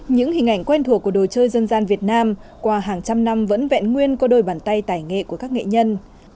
những hình ảnh quen thuộc của đồ chơi dân gian việt nam qua hàng trăm năm vẫn vẹn nguyên qua đôi bàn tay tài nghệ của các nghệ nhân